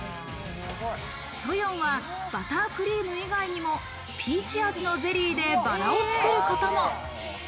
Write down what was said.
Ｓｏｙｏｎはバタークリーム以外にもピーチ味のゼリーでバラを作ることも。